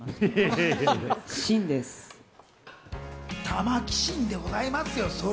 玉木神でございますよ。